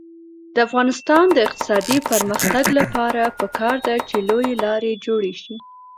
د افغانستان د اقتصادي پرمختګ لپاره پکار ده چې لویې لارې جوړې شي.